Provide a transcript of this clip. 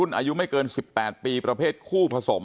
คุณยายบอกว่ารู้สึกเหมือนใครมายืนอยู่ข้างหลัง